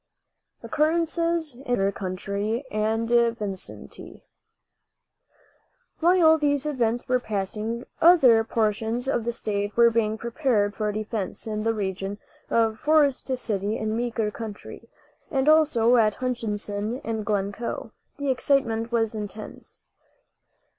OCCURRENCES IN MEEKER COUNTY AND VICINITY. While these events were passing, other portions of the state were being prepared for defense. In the region of Forest City in Meeker county, and also at Hutchinson and Glencoe, the excitement was intense.